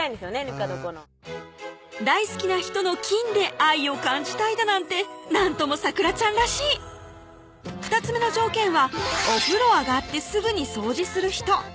ぬか床の大好きな人の菌で愛を感じたいだなんてなんとも咲楽ちゃんらしい２つ目の条件は「お風呂あがってすぐに掃除する人」